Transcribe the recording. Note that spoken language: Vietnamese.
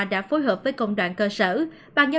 đã phối hợp với công đoàn cơ sở